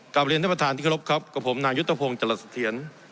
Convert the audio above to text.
กลับเรียนท่านประธานที่เคารพครับกับผมนายุทธพงศ์จรัสเทียน